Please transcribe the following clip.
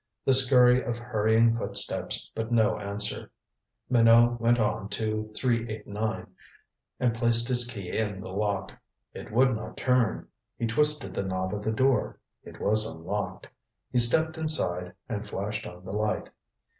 The scurry of hurrying footsteps, but no answer. Minot went on to 389, and placed his key in the lock. It would not turn. He twisted the knob of the door it was unlocked. He stepped inside and flashed on the light.